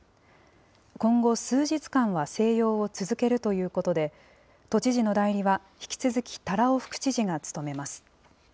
今後数日間は静養を続けるということで、都知事の代理は、引き続き多羅尾副知事が務めます。